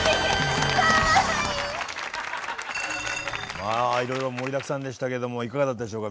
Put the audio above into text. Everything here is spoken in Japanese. まあいろいろ盛りだくさんでしたけどもいかがだったでしょうか？